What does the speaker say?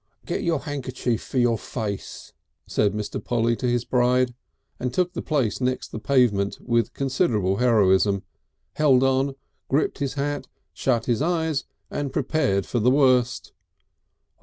"Get your handkerchief for your face," said Mr. Polly to his bride, and took the place next the pavement with considerable heroism, held on, gripped his hat, shut his eyes and prepared for the worst.